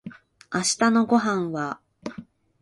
明日のご飯は